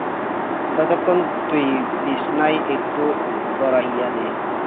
ততক্ষণ তুই বিছানায় একটু গড়াইয়া নে।